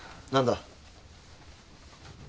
何だ？